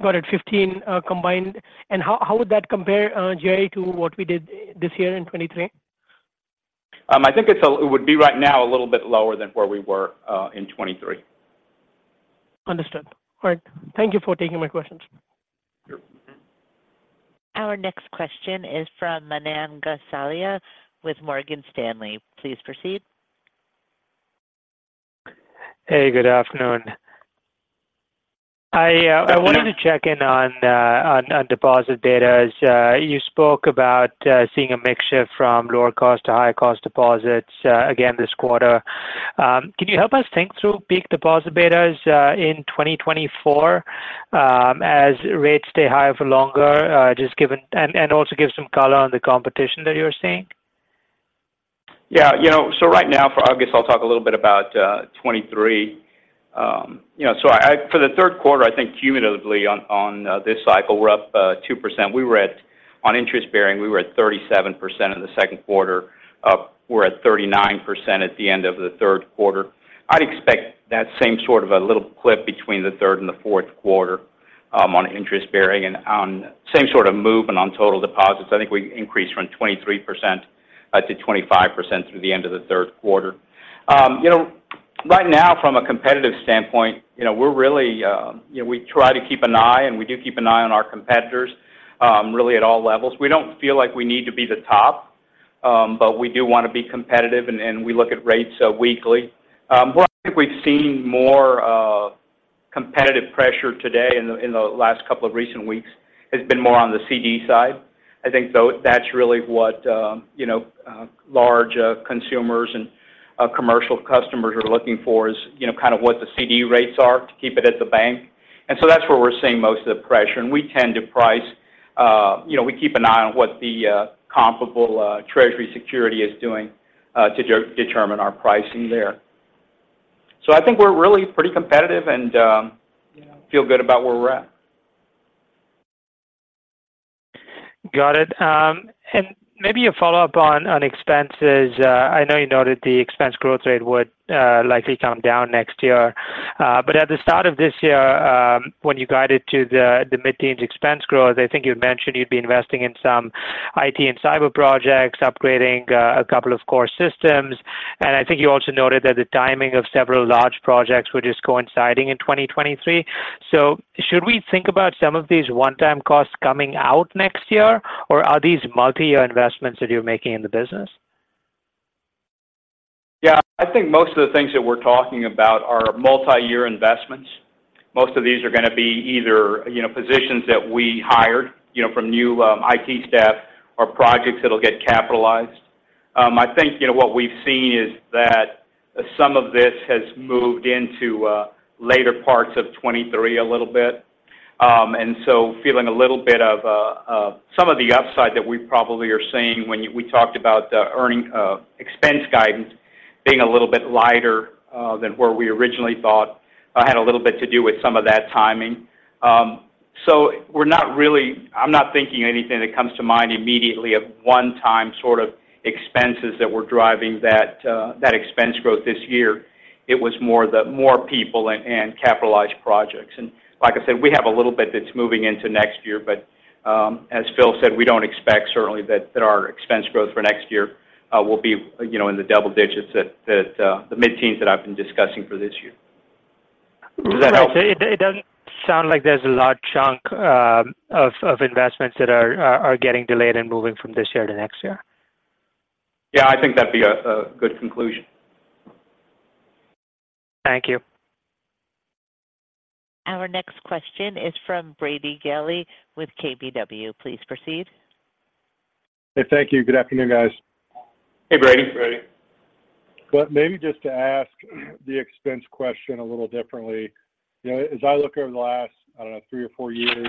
Got it, 15, combined. And how, how would that compare, Jerry, to what we did this year in 2023? I think it would be right now a little bit lower than where we were in 2023. Understood. All right. Thank you for taking my questions. Sure. Our next question is from Manan Gosalia with Morgan Stanley. Please proceed. Hey, good afternoon. ... I wanted to check in on deposit data. As you spoke about, seeing a mix shift from lower cost to higher cost deposits, again this quarter. Can you help us think through peak deposit betas in 2024, as rates stay higher for longer? Just give an and also give some color on the competition that you're seeing. Yeah. You know, so right now for August, I'll talk a little bit about 2023. You know, so for the third quarter, I think cumulatively on this cycle, we're up 2%. We were at on interest bearing, we were at 37% in the second quarter. We're at 39% at the end of the third quarter. I'd expect that same sort of a little clip between the third and the fourth quarter, on interest bearing and on same sort of move and on total deposits. I think we increased from 23% to 25% through the end of the third quarter. You know, right now, from a competitive standpoint, you know, we're really, you know, we try to keep an eye, and we do keep an eye on our competitors, really, at all levels. We don't feel like we need to be the top, but we do want to be competitive, and we look at rates weekly. Where I think we've seen more competitive pressure today in the last couple of recent weeks has been more on the CD side. I think, though, that's really what, you know, large consumers and commercial customers are looking for is, you know, kind of what the CD rates are to keep it at the bank. That's where we're seeing most of the pressure. We tend to price, you know, we keep an eye on what the comparable Treasury security is doing to determine our pricing there. I think we're really pretty competitive and feel good about where we're at. Got it. And maybe a follow-up on, on expenses. I know you noted the expense growth rate would likely come down next year. But at the start of this year, when you guided to the mid-teens expense growth, I think you mentioned you'd be investing in some IT and cyber projects, upgrading a couple of core systems. And I think you also noted that the timing of several large projects were just coinciding in 2023. So should we think about some of these one-time costs coming out next year, or are these multi-year investments that you're making in the business? Yeah, I think most of the things that we're talking about are multi-year investments. Most of these are going to be either, you know, positions that we hired, you know, from new, IT staff or projects that'll get capitalized. I think, you know, what we've seen is that some of this has moved into later parts of 2023 a little bit. And so feeling a little bit of some of the upside that we probably are seeing when we talked about earning expense guidance being a little bit lighter than where we originally thought had a little bit to do with some of that timing. So we're not really - I'm not thinking anything that comes to mind immediately of one-time sort of expenses that were driving that expense growth this year. It was more the more people and capitalized projects. And like I said, we have a little bit that's moving into next year, but as Phil said, we don't expect certainly that our expense growth for next year will be, you know, in the double digits that the mid-teens that I've been discussing for this year. Does that help? It doesn't sound like there's a large chunk of investments that are getting delayed and moving from this year to next year. Yeah, I think that'd be a good conclusion. Thank you. Our next question is from Brady Gailey with KBW. Please proceed. Hey, thank you. Good afternoon, guys. Hey, Brady. Brady. But maybe just to ask the expense question a little differently. You know, as I look over the last, I don't know, three or four years,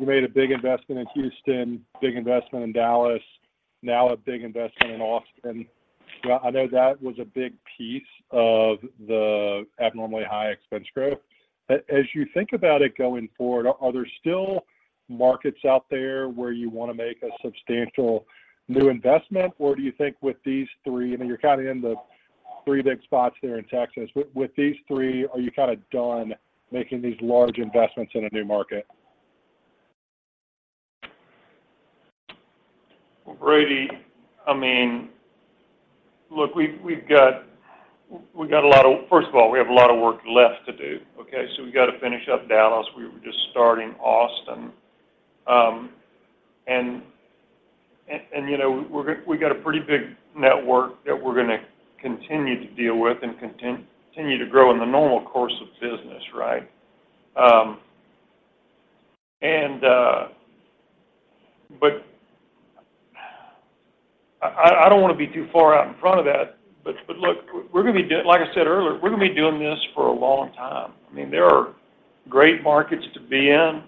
you made a big investment in Houston, big investment in Dallas, now a big investment in Austin. Well, I know that was a big piece of the abnormally high expense growth. As you think about it going forward, are there still markets out there where you want to make a substantial new investment? Or do you think with these three, I mean, you're kind of in the three big spots there in Texas, with these three, are you kind of done making these large investments in a new market? Well, Brady, I mean, look, we've got a lot of... First of all, we have a lot of work left to do, okay? We got to finish up Dallas. We were just starting Austin. You know, we got a pretty big network that we're going to continue to deal with and continue to grow in the normal course of business, right? I don't want to be too far out in front of that. Look, we're going to be doing—like I said earlier—we're going to be doing this for a long time. I mean, there are great markets to be in,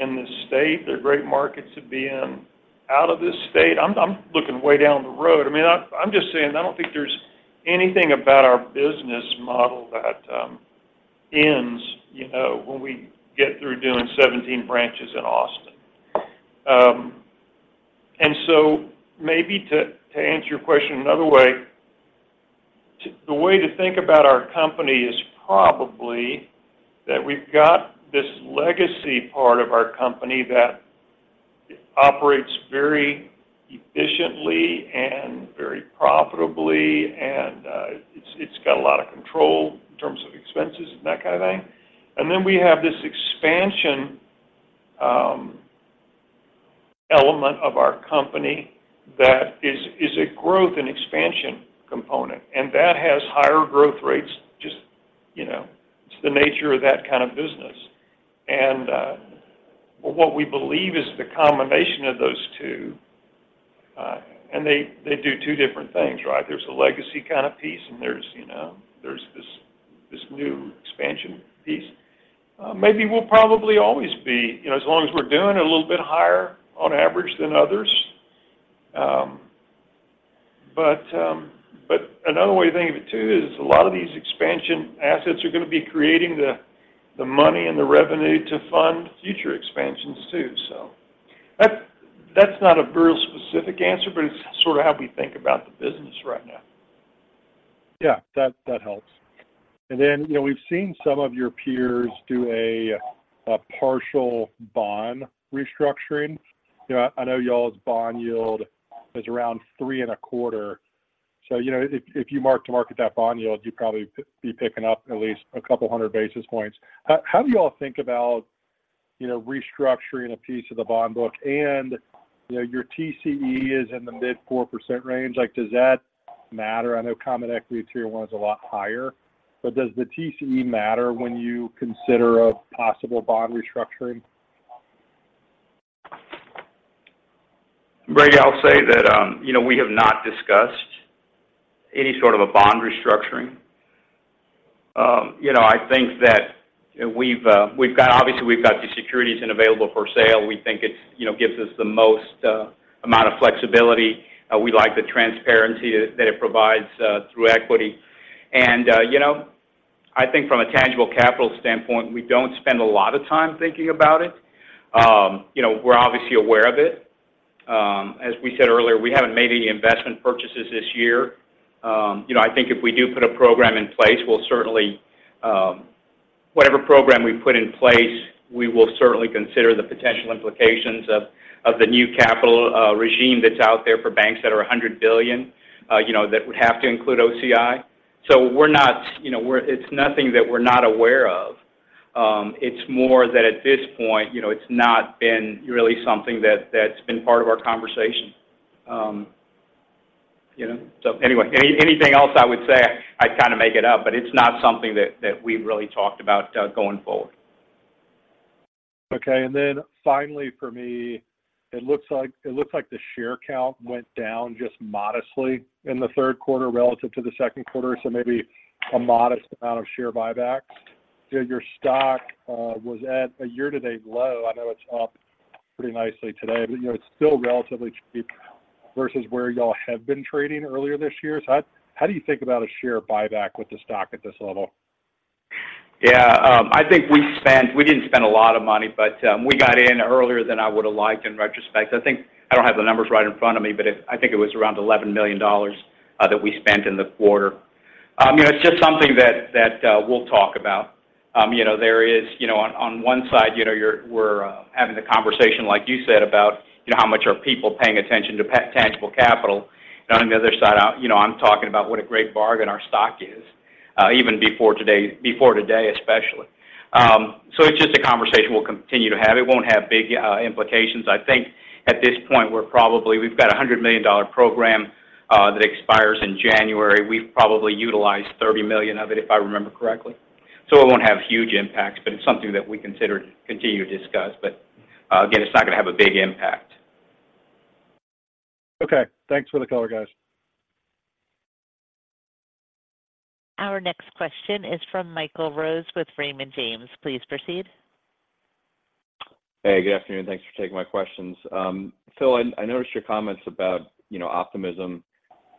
in this state. There are great markets to be in, out of this state. I'm looking way down the road. I mean, I'm just saying, I don't think there's anything about our business model that ends, you know, when we get through doing 17 branches in Austin. And so maybe to answer your question another way, the way to think about our company is probably that we've got this legacy part of our company that operates very efficiently and very profitably, and it's got a lot of control in terms of expenses and that kind of thing. And then we have this expansion element of our company that is a growth and expansion component, and that has higher growth rates, just, you know, it's the nature of that kind of business. And what we believe is the combination of those two, and they do two different things, right? There's a legacy kind of piece, and there's, you know, there's this new expansion piece. Maybe we'll probably always be, you know, as long as we're doing a little bit higher on average than others. But another way to think of it, too, is a lot of these expansion assets are going to be creating the money and the revenue to fund future expansions, too. So that's not a real specific answer, but it's sort of how we think about the business right now. Yeah, that helps. And then, you know, we've seen some of your peers do a partial bond restructuring. You know, I know y'all's bond yield is around 3.25%. So, you know, if you mark to market that bond yield, you'd probably be picking up at least a couple hundred basis points. How do you all think about, you know, restructuring a piece of the bond book, and, you know, your TCE is in the mid-4% range? Like, does that matter? I know Common Equity Tier 1 is a lot higher, but does the TCE matter when you consider a possible bond restructuring? Brady, I'll say that, you know, we have not discussed any sort of a bond restructuring. You know, I think that we've, we've got—obviously, we've got the securities and available for sale. We think it's, you know, gives us the most, you know, amount of flexibility. We like the transparency that, that it provides, through equity. And, you know, I think from a tangible capital standpoint, we don't spend a lot of time thinking about it. You know, we're obviously aware of it. As we said earlier, we haven't made any investment purchases this year. You know, I think if we do put a program in place, we'll certainly... Whatever program we put in place, we will certainly consider the potential implications of the new capital regime that's out there for banks that are $100 billion, you know, that would have to include OCI. So we're not, you know, it's nothing that we're not aware of. It's more that at this point, you know, it's not been really something that's been part of our conversation. You know, so anyway, anything else I would say, I'd kind of make it up, but it's not something that we've really talked about going forward. Okay. And then finally, for me, it looks like, it looks like the share count went down just modestly in the third quarter relative to the second quarter, so maybe a modest amount of share buybacks. You know, your stock was at a year-to-date low. I know it's up pretty nicely today, but, you know, it's still relatively cheap versus where y'all have been trading earlier this year. So how, how do you think about a share buyback with the stock at this level? Yeah, I think we spent-- we didn't spend a lot of money, but, we got in earlier than I would have liked in retrospect. I think, I don't have the numbers right in front of me, but it-- I think it was around $11 million that we spent in the quarter. You know, it's just something that, that, we'll talk about. You know, there is, you know, on, on one side, you know, you're-- we're, having the conversation like you said, about, you know, how much are people paying attention to pa-- tangible capital. And on the other side, I, you know, I'm talking about what a great bargain our stock is, even before today, before today, especially. So it's just a conversation we'll continue to have. It won't have big, implications. I think at this point, we're probably. We've got a $100 million program that expires in January. We've probably utilized $30 million of it, if I remember correctly. So it won't have huge impacts, but it's something that we consider, continue to discuss. But again, it's not going to have a big impact. Okay. Thanks for the color, guys. Our next question is from Michael Rose with Raymond James. Please proceed. Hey, good afternoon. Thanks for taking my questions. Phil, I noticed your comments about, you know, optimism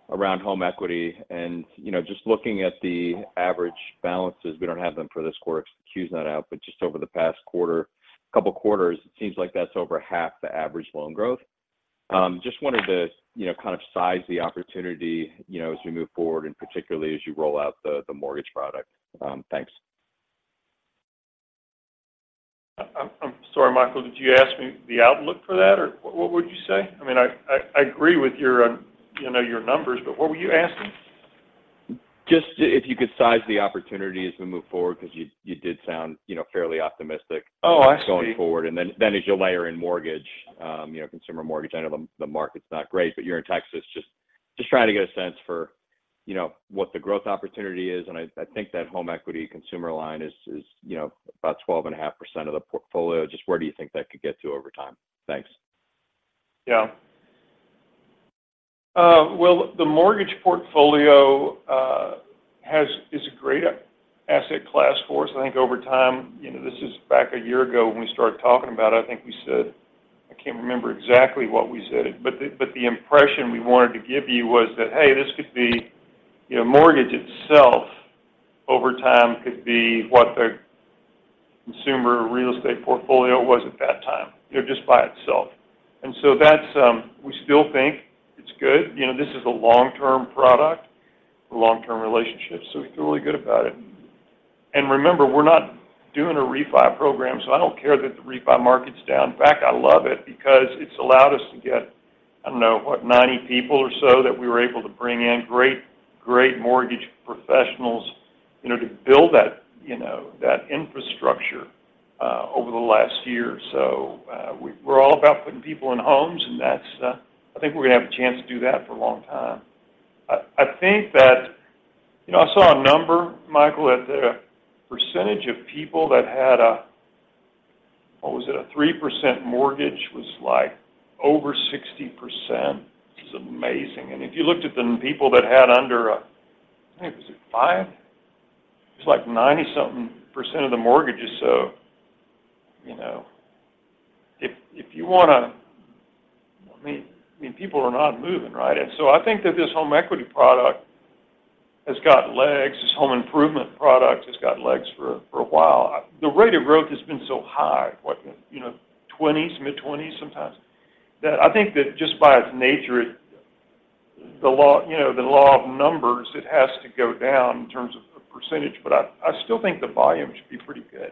around home equity and, you know, just looking at the average balances, we don't have them for this quarter. Q's not out, but just over the past quarter, couple quarters, it seems like that's over half the average loan growth. Just wanted to, you know, kind of size the opportunity, you know, as we move forward, and particularly as you roll out the mortgage product. Thanks. I'm sorry, Michael, did you ask me the outlook for that, or what would you say? I mean, I agree with your, you know, your numbers, but what were you asking? Just if you could size the opportunity as we move forward, because you did sound, you know, fairly optimistic- Oh, I see. Going forward. And then as you layer in mortgage, you know, consumer mortgage, I know the market's not great, but you're in Texas. Just trying to get a sense for, you know, what the growth opportunity is. And I think that home equity consumer line is, you know, about 12.5% of the portfolio. Just where do you think that could get to over time? Thanks. Yeah. Well, the mortgage portfolio has—is a great asset class for us. I think over time, you know, this is back a year ago when we started talking about it. I think we said—I can't remember exactly what we said, but the impression we wanted to give you was that, hey, this could be, you know, mortgage itself, over time, could be what the consumer real estate portfolio was at that time, you know, just by itself. And so that's, we still think it's good. You know, this is a long-term product, long-term relationship, so we feel really good about it. And remember, we're not doing a refi program, so I don't care that the refi market's down. In fact, I love it because it's allowed us to get-... I don't know, what? 90 people or so that we were able to bring in. Great, great mortgage professionals, you know, to build that, you know, that infrastructure over the last year. So, we're all about putting people in homes, and that's, I think we're gonna have a chance to do that for a long time. I think that-- you know, I saw a number, Michael, that the percentage of people that had a, what was it? A 3% mortgage was like over 60%, which is amazing. And if you looked at the people that had under a, I think it was a 5, it's like 90-something% of the mortgages. So, you know, if, if you wanna -- I mean, I mean, people are not moving, right? And so I think that this home equity product has got legs. This home improvement product has got legs for a while. The rate of growth has been so high, you know, 20s, mid-20s sometimes, that I think that just by its nature, it, the law, you know, the law of numbers, it has to go down in terms of the percentage, but I still think the volume should be pretty good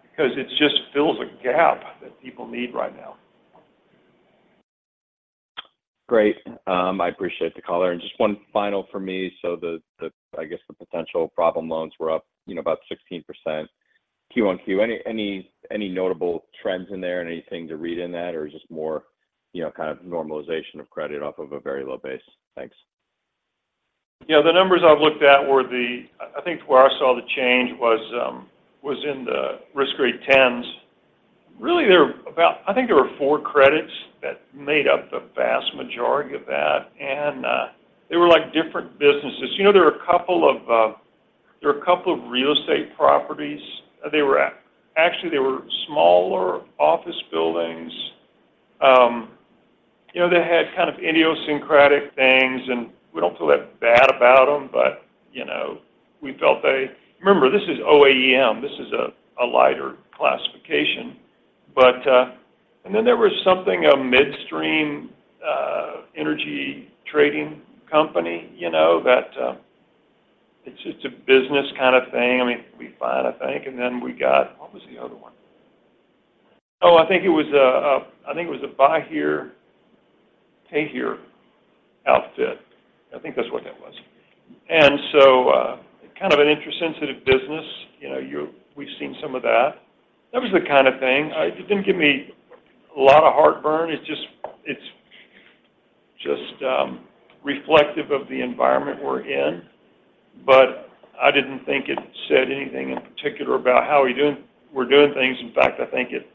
because it just fills a gap that people need right now. Great. I appreciate the color. And just one final for me. So the, I guess, potential problem loans were up, you know, about 16% QoQ. Any notable trends in there, anything to read in that, or just more, you know, kind of normalization of credit off of a very low base? Thanks. Yeah, the numbers I've looked at were the-- I think where I saw the change was in the risk grade tens. Really, there were about-- I think there were 4 credits that made up the vast majority of that, and they were like different businesses. You know, there were a couple of, you know, there were a couple of real estate properties. They were at-- actually, they were smaller office buildings. You know, they had kind of idiosyncratic things, and we don't feel that bad about them, but, you know, we felt they... Remember, this is OAEM, this is a, a lighter classification. There was something, a midstream, energy trading company, you know, that, it's just a business kind of thing. I mean, we fine, I think. And then we got-- what was the other one? Oh, I think it was a buy here, pay here outfit. I think that's what that was. And so, kind of an interest-sensitive business. You know, you've seen some of that. That was the kind of thing. It didn't give me a lot of heartburn. It's just, it's just reflective of the environment we're in, but I didn't think it said anything in particular about how we're doing, we're doing things. In fact, I think it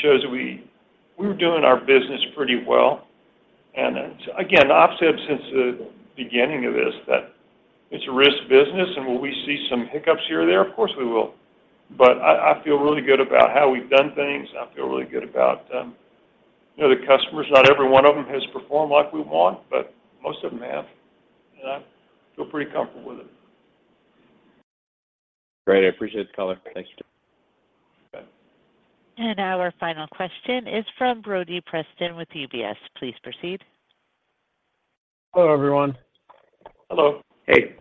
shows that we're doing our business pretty well. And then, again, I've said since the beginning of this that it's a risk business, and will we see some hiccups here or there? Of course, we will. But I feel really good about how we've done things. I feel really good about, you know, the customers. Not every one of them has performed like we want, but most of them have, and I feel pretty comfortable with it. Great. I appreciate the color. Thanks. And now our final question is from Brody Preston with UBS. Please proceed. Hello, everyone. Hello. Hey.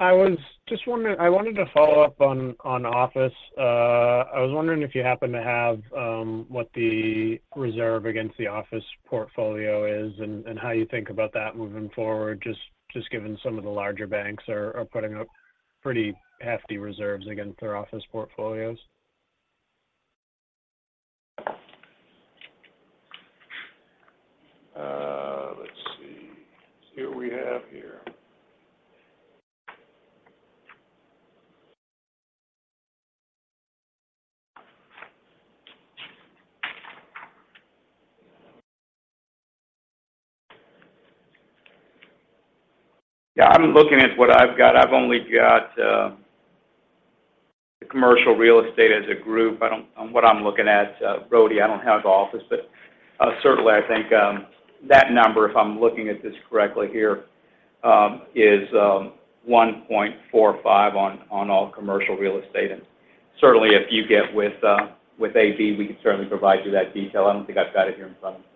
I was just wondering, I wanted to follow up on, on office. I was wondering if you happen to have what the reserve against the office portfolio is and how you think about that moving forward, just given some of the larger banks are putting up pretty hefty reserves against their office portfolios. Let's see. See what we have here. Yeah, I'm looking at what I've got. I've only got the commercial real estate as a group. I don't—on what I'm looking at, Brody, I don't have the office, but certainly I think that number, if I'm looking at this correctly here, is 1.45 on all commercial real estate. And certainly, if you get with A.B., we can certainly provide you that detail. I don't think I've got it here in front of me.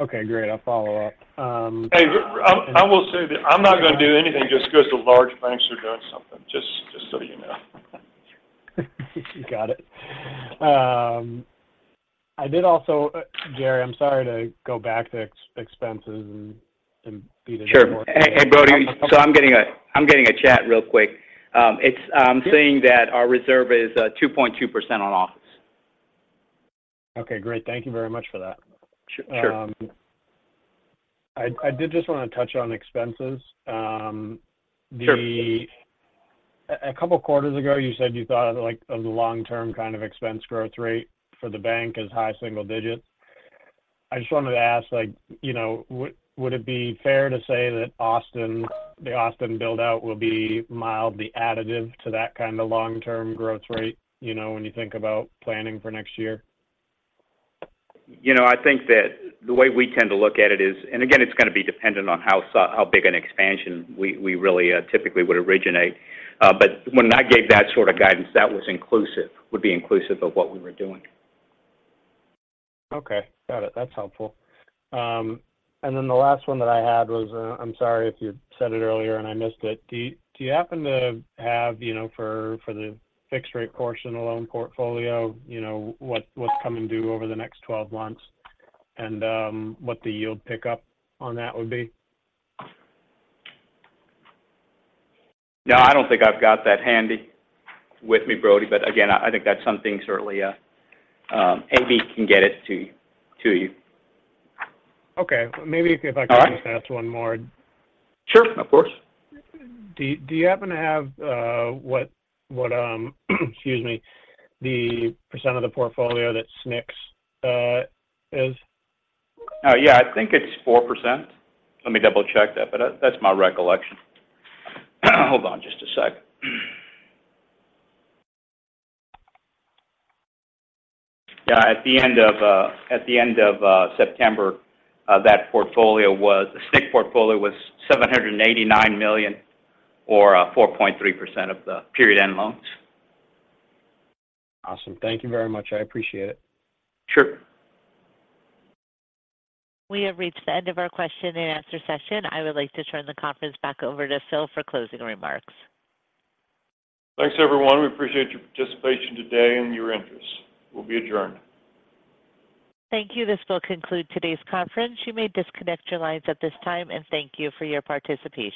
Okay, great. I'll follow up. Hey, I will say that I'm not gonna do anything just because the large banks are doing something, just, just so you know. Got it. I did also, Jerry, I'm sorry to go back to expenses and be- Sure. And, Brody, so I'm getting a chat real quick. It's saying that our reserve is 2.2% on office. Okay, great. Thank you very much for that. Sure. I did just want to touch on expenses. Sure. A couple of quarters ago, you said you thought, like, a long-term kind of expense growth rate for the bank is high single digits. I just wanted to ask, like, you know, would it be fair to say that Austin, the Austin build-out will be mildly additive to that kind of long-term growth rate, you know, when you think about planning for next year? You know, I think that the way we tend to look at it is, and again, it's going to be dependent on how big an expansion we, we really typically would originate. But when I gave that sort of guidance, that was inclusive, would be inclusive of what we were doing. Okay, got it. That's helpful. And then the last one that I had was, I'm sorry if you said it earlier and I missed it. Do you, do you happen to have, you know, for, for the fixed rate portion of the loan portfolio, you know, what, what's coming due over the next 12 months, and, what the yield pickup on that would be? No, I don't think I've got that handy with me, Brody, but again, I think that's something certainly A.B. can get it to you. Okay. Maybe if I can- All right. Just ask one more. Sure, of course. Do you happen to have, excuse me, the % of the portfolio that SNC is? Yeah, I think it's 4%. Let me double-check that, but that's my recollection. Hold on just a sec. Yeah, at the end of September, that portfolio, the SNC portfolio, was $789 million or 4.3% of the period-end loans. Awesome. Thank you very much. I appreciate it. Sure. We have reached the end of our question and answer session. I would like to turn the conference back over to Phil for closing remarks. Thanks, everyone. We appreciate your participation today and your interest. We'll be adjourned. Thank you. This will conclude today's conference. You may disconnect your lines at this time, and thank you for your participation.